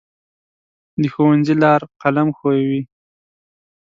د ښوونځي لار قلم ښووي.